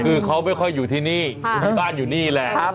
คือเขาไม่ค่อยอยู่ที่นี่บ้านอยู่นี่แหละ